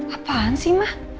apaan sih ma